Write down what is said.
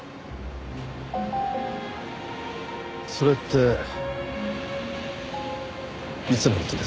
それっていつの事です？